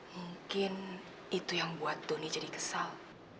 mungkin itu yang buat doni jadi kesal